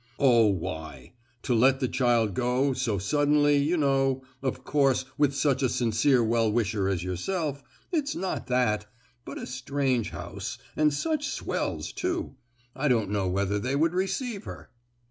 "Oh, why! to let the child go—so suddenly, you know, of course with such a sincere well wisher as yourself—it's not that!—but a strange house—and such swells, too!—I don't know whether they would receive her!"